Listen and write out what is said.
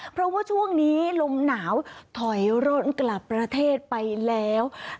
เพราะว่าช่วงนี้ลมหนาวถอยร่นกลับประเทศไปแล้ว